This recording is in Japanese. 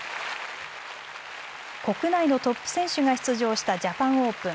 国内のトップ選手が出場したジャパンオープン。